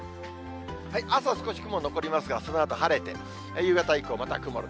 朝、少し雲残りますが、そのあと晴れて、夕方以降、また曇る。